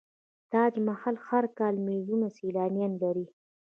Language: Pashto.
تاج محل هر کال میلیونونه سیلانیان لري.